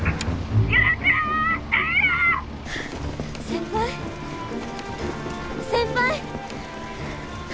先輩先輩！